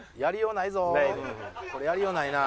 これやりようないな。